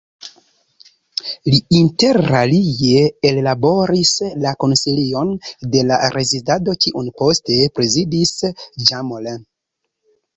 Li interalie ellaboris la "Konsilion de la Rezistado" kiun poste prezidis Jean Moulin.